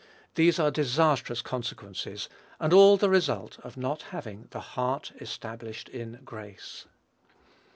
These are disastrous consequences, and all the result of not having "the heart established in grace."